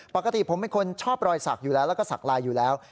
ปกติผมเป็นคนชอบรอยสักอยู่แล้วแล้วก็สักลายอยู่แล้ว